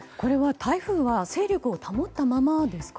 台風は勢力を保ったままですか？